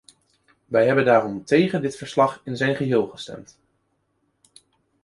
Wij hebben daarom tegen dit verslag in zijn geheel gestemd.